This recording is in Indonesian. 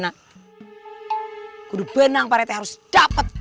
aku benang pak rete harus dapat